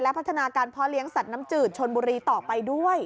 พัฒนาการพ่อเลี้ยงสัตว์น้ำจืดชนบุรีต่อไปด้วย